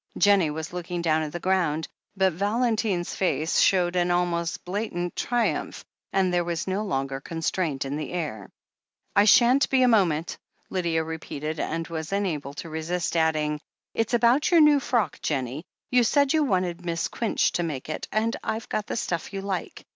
Jennie was looking down at the ground, but Valentine's face showed an almost blatant triumph, and there was no longer constraint in the air. "I shan't be a moment," Lydia repeated, and was unable to resist adding: "It's about your new frock, Jennie, You said you wanted Miss Quinch to make it, and I've got the stuff you liked.